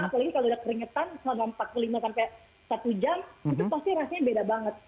jadi kalau udah keringetan selama empat puluh lima sampai satu jam itu pasti rasanya beda banget